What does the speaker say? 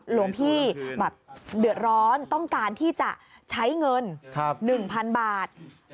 หลวงพี่แบบเดือดร้อนต้องการที่จะใช้เงิน๑๐๐๐บาท